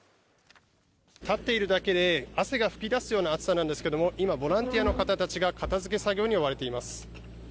立っているだけで汗が吹き出すような暑さなんですけども、今ボランティアの方たちが片付け作業に追われています。